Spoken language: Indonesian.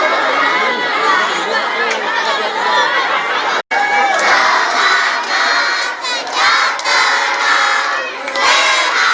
selamat sejak umur